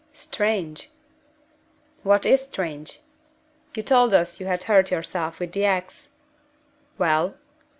"Strange!" "What is strange?" "You told us you had hurt yourself with the ax " "Well?"